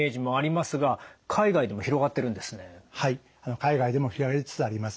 海外でも広がりつつあります。